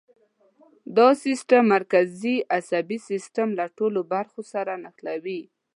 دا سیستم مرکزي عصبي سیستم له ټولو برخو سره نښلوي.